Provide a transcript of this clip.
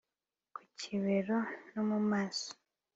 ku kibero no mu maso